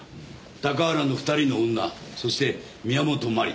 高原の２人の女そして宮本真理